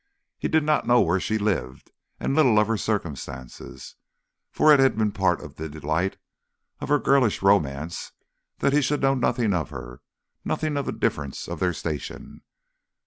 He did not know where she lived, and little of her circumstances; for it had been part of the delight of her girlish romance that he should know nothing of her, nothing of the difference of their station.